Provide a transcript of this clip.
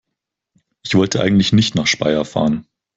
Ich wollte eigentlich nicht nach Speyer fahren